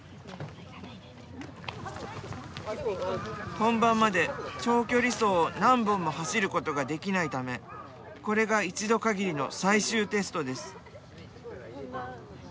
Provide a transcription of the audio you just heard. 本番まで長距離走を何本も走ることができないためこれが一度限りの最終テストです。